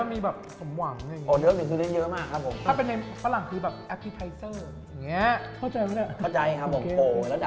ไม่ได้มีเสี่ยงไหมนี่มีมากเลยครับ